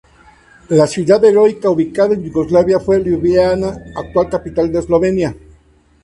La ciudad heroica ubicada en Yugoslavia fue Liubliana, actual capital de Eslovenia.